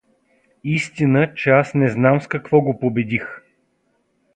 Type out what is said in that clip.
Истина, че аз не знам с какво го победих…